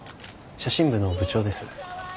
写真部の部長です。